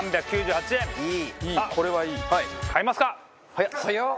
早っ！